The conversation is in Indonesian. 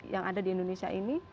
yang ada di indonesia ini